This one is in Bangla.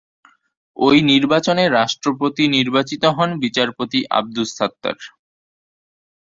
ওই নির্বাচনে রাষ্ট্রপতি নির্বাচিত হন বিচারপতি আবদুস সাত্তার।